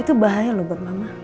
itu bahaya loh buat mama